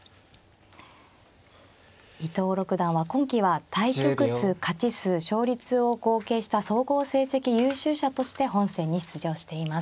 伊藤六段は今期は対局数勝ち数勝率を合計した総合成績優秀者として本戦に出場しています。